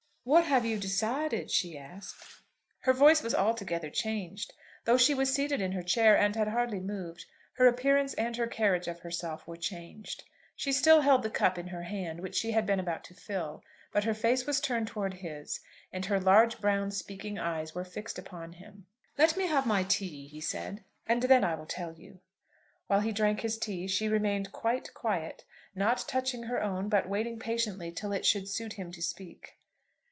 "What have you decided?" she asked. Her voice was altogether changed. Though she was seated in her chair and had hardly moved, her appearance and her carriage of herself were changed. She still held the cup in her hand which she had been about to fill, but her face was turned towards his, and her large brown speaking eyes were fixed upon him. "Let me have my tea," he said, "and then I will tell you." While he drank his tea she remained quite quiet, not touching her own, but waiting patiently till it should suit him to speak.